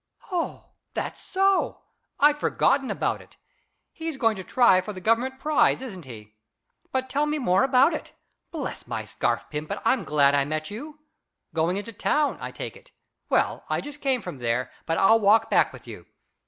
"Oh, that's so. I'd forgotten about it. He's going to try for the Government prize, isn't he? But tell me more about it. Bless my scarf pin, but I'm glad I met you! Going into town, I take it. Well, I just came from there, but I'll walk back with you.